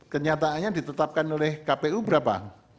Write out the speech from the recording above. kenyataannya ditetapkan oleh kpu berapa